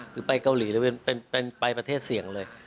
หรือไปเกาหลีหรือเป็นไปประเทศเสี่ยงเลย